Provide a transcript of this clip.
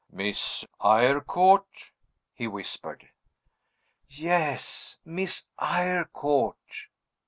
"Miss Eyrecourt?" he whispered. "Yes; Miss Eyrecourt."